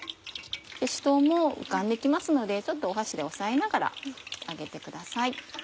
しし唐も浮かんで来ますのでちょっと箸で押さえながら揚げてください。